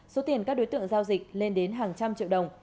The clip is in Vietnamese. số tiền các đối tượng giao dịch lên đến hàng trăm triệu đồng